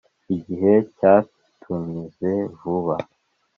igihe cyatunyuze vuba